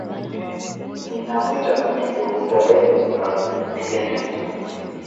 Ninamwita Mungu wa Israeli akupiganie.